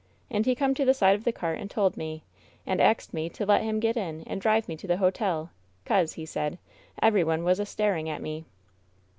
And he come to the side of the cart and told me, and axed me to let him get in and drive me to the hotel, 'cause, he said, every one was a staring at me."